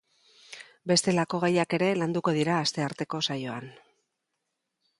Bestelako gaiak ere landuko dira astearteko saioan.